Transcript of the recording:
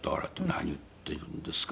「何を言ってるんですか！